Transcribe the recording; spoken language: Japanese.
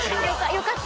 よかった。